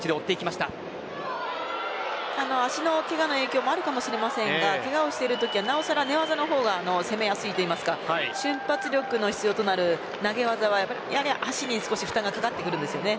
足のけがの影響もあるかもしれませんがけがをしている時はなおさら、寝技のほうが攻めやすいといいますか瞬発力が必要となる投げ技はやはり足に負担がかかってくるんですよね。